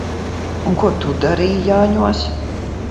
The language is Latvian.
Un ko tu darīji Jāņos?